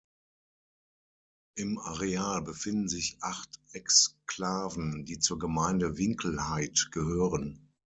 Im Areal befinden sich acht Exklaven, die zur Gemeinde Winkelhaid gehören.